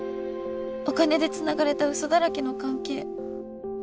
お金でつながれたうそだらけの関係。